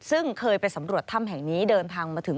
ซึ่งเคยไปสำรวจถ้ำแห่งนี้เดินทางมาถึง